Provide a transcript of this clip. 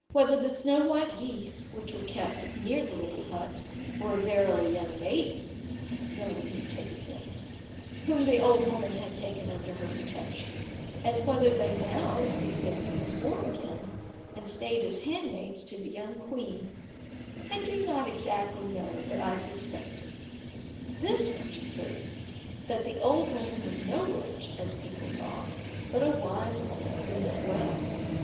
Whether the snow white geese, which were kept near the little hut, were verily young maidens (no one need take offence,) whom the old woman had taken under her protection, and whether they now received their human form again, and stayed as handmaids to the young Queen, I do not exactly know, but I suspect it. This much is certain, that the old woman was no witch, as people thought, but a wise woman, who meant well.